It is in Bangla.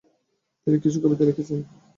তিনি কিছু কবিতা লিখেছেন।